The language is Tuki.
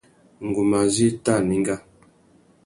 Ngu má zu éta anenga.